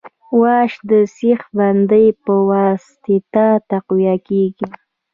واش د سیخ بندۍ په واسطه تقویه کیږي